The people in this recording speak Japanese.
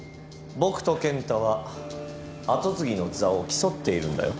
・僕と健太は跡継ぎの座を競っているんだよ。